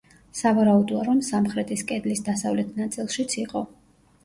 სავარაუდოა, რომ სამხრეთის კედლის დასავლეთ ნაწილშიც იყო.